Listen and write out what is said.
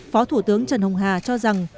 phó thủ tướng trần hồng hà cho rằng